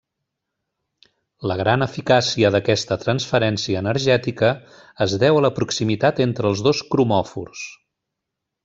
La gran eficàcia d'aquesta transferència energètica es deu a la proximitat entre els dos cromòfors.